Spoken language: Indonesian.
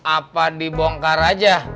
apa dibongkar aja